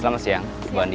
selamat siang bu andi